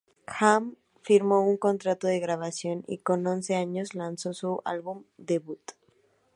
Jam firmó un contrato de grabación y con once años, lanzó su álbum debut.